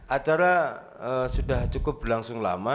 acara sudah cukup berlangsung lama